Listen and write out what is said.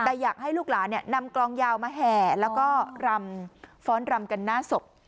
แต่อยากให้ลูกหลานนำกลองยาวมาแห่แล้วก็รำฟ้อนรำกันหน้าศพ